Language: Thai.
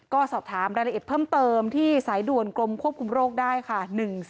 ก็สอบถามรายละเอียดเพิ่มเติมที่สายด่วนกรมควบคุมโรคได้ค่ะ